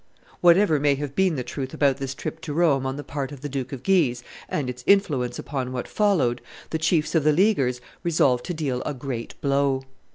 pp. 1 7.] Whatever may have been the truth about this trip to Rome on the part of the Duke of Guise, and its influence upon what followed, the chiefs of the Leaguers resolved to deal a great blow.